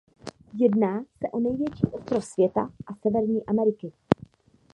Jedná se o největší ostrov světa a Severní Ameriky.